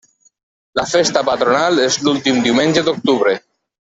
La festa patronal és l'últim diumenge d'octubre.